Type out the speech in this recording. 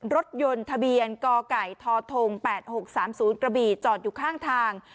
รถยนต์ทะเบียนกไก่ทท๘๖๓๐กระบี่จอดอยู่ข้างทาง